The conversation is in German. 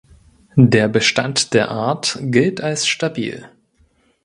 Der Bestand der Art gilt als stabil.